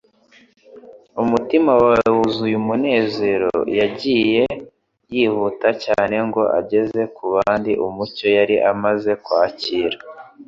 Umutima we wuzuye umunezero, yagiye yihuta cyane, ngo ageze ku bandi umucyo yari amaze kwakira.